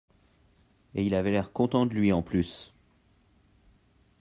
Et il avait l’air content de lui, en plus!